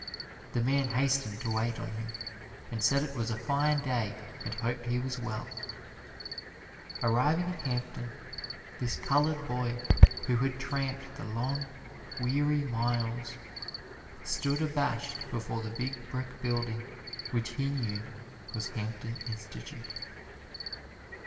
The man hastened to wait on him, and said it was a fine day and hoped he was well. Arriving at Hampton, this colored boy, who had tramped the long, weary miles, stood abashed before the big brick building which he knew was Hampton Institute.